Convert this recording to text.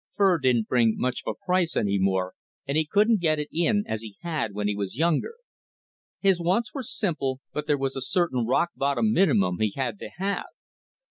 Fur didn't bring much of a price any more, and he couldn't get it in as he had when he was younger. His wants were simple, but there was a certain rock bottom minimum he had to have.